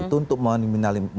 itu untuk meminimalisir